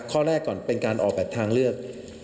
ข้อแรกก่อนเป็นการออกแบบทางเลือก